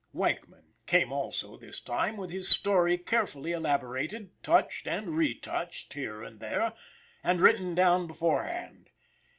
Weichman "came also:" this time with his story carefully elaborated, touched and retouched here and there, and written down beforehand.